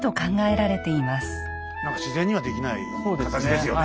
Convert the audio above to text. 何か自然にはできない形ですよね